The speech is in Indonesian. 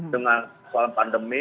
dengan soal pandemi